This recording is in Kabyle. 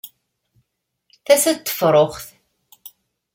Tasa n tefruxt.